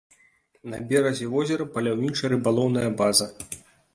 На беразе возера паляўніча-рыбалоўная база.